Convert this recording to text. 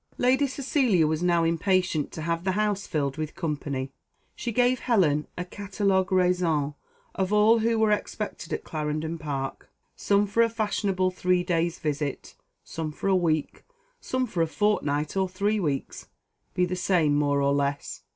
Lady Cecilia was now impatient to have the house filled with company. She gave Helen a catalogue raisonné of all who were expected at Clarendon Park, some for a fashionable three days' visit; some for a week; some for a fortnight or three weeks, be the same more or less.